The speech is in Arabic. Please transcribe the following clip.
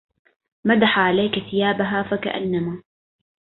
مدح عليك ثيابها فكأنما